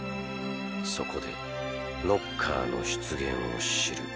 そこでノッカーの出現を知る。